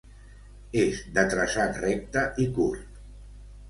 ÉS de traçat recte i curt.